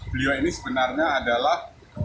beliau ini sebenarnya adalah